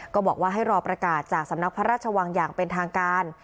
ก็บอกว่าให้รอประกาศจากสำนักพระราชวังอย่างเป็นทางการ